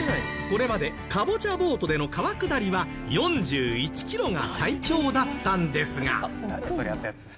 これまでカボチャボートでの川下りは４１キロが最長だったんですが。